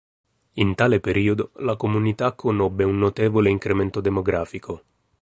In tale periodo la comunità conobbe un notevole incremento demografico.